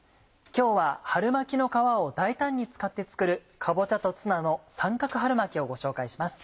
今日は春巻きの皮を大胆に使って作る「かぼちゃとツナの三角春巻き」をご紹介します。